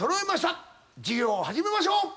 授業を始めましょう。